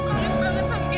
kamisya jangan kak